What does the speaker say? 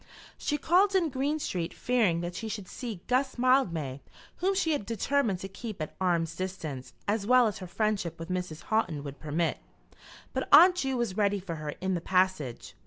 She called in Green Street fearing that she should see Guss Mildmay whom she had determined to keep at arm's distance as well as her friendship with Mrs. Houghton would permit; but Aunt Ju was ready for her in the passage.